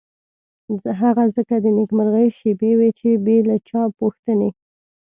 هغه ځکه د نېکمرغۍ شېبې وې چې بې له چا پوښتنې.